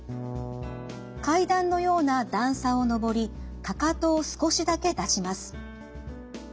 階段のような段差を上りかかとを少しだけ出します。